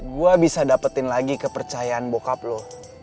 gue bisa dapetin lagi kepercayaan bokap loh